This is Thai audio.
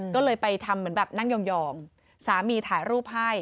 ก็เลยไปทำเหมือนแบบนั่งยองสามีถ่ายรูปให้